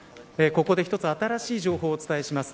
ここで一つ新しい情報をお伝えします。